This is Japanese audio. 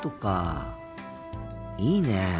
いいねえ